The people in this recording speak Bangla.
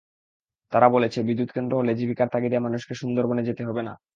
তারা বলেছে, বিদ্যুৎকেন্দ্র হলে জীবিকার তাগিদে মানুষকে সুন্দরবনে যেতে হবে না।